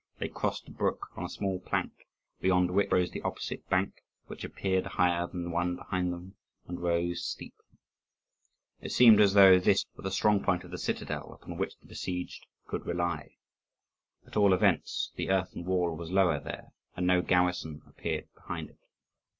They crossed the brook on a small plank, beyond which rose the opposite bank, which appeared higher than the one behind them and rose steeply. It seemed as though this were the strong point of the citadel upon which the besieged could rely; at all events, the earthen wall was lower there, and no garrison appeared behind it.